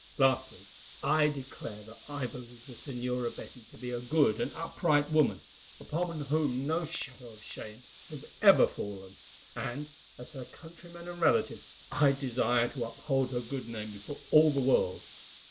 Lastly, I declare that I believe the Señora Betty to be a good and upright woman, upon whom no shadow of shame has ever fallen, and, as her countryman and relative, I desire to uphold her good name before all the world.